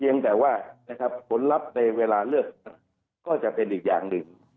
ยังแต่ว่านะครับผลลัพธ์ในเวลาเลือกก็จะเป็นอีกอย่างหนึ่ง